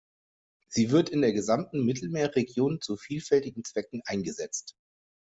Sie wird in der gesamten Mittelmeerregion zu vielfältigen Zwecken eingesetzt.